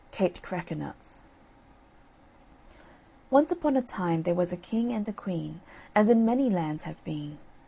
KATE CRACKERNUTS Once upon a time there was a king and a queen, as in many lands have been.